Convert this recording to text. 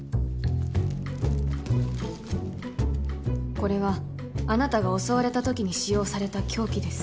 これはあなたが襲われたときに使用された凶器です